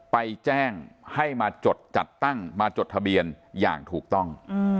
ไปแจ้งให้มาจดจัดตั้งมาจดทะเบียนอย่างถูกต้อง